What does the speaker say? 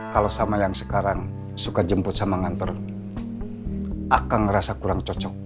kalau sama yang sekarang suka jemput sama nganter akan ngerasa kurang cocok